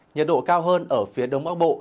nhiệt độ cao hơn ở phía đông bắc bộ